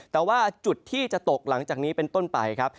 แต่ว่าจุดที่จะตกหลังจากนี้เป็นต้นไปครับ